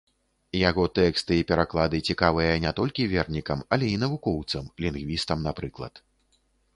Яго тэксты і пераклады цікавыя не толькі вернікам, але і навукоўцам, лінгвістам, напрыклад.